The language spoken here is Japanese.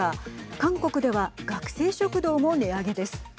韓国では学生食堂も値上げです。